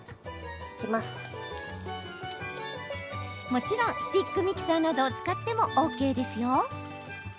もちろんスティックミキサーなどを使ってもＯＫです。